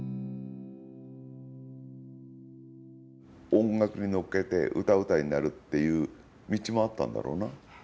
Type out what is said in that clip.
音楽に乗っけて歌うたいになるっていう道もあったんだろうな。